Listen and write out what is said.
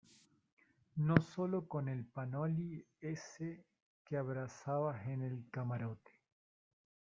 no solo con el panoli ese al que abrazabas en el camarote.